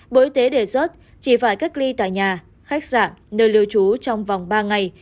bộ y tế đề xuất chỉ phải cách ly tại nhà khách sạn nơi lưu trú trong vòng ba ngày